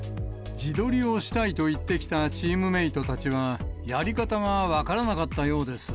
自撮りをしたいと言ってきたチームメートたちは、やり方が分からなかったようです。